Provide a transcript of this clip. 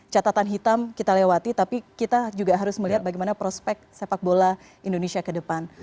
catatan hitam kita lewati tapi kita juga harus melihat bagaimana prospek sepak bola indonesia ke depan